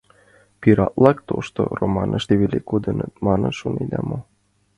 Пират-влак тошто романыште веле кодыныт, манын шонеда мо?